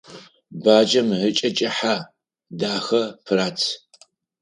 Баджэм ыкӏэ кӏыхьэ, дахэ, пырац.